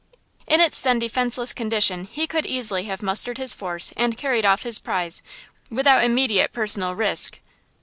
In its then defenceless condition he could easily have mustered his force and carried off his prize without immediate personal risk.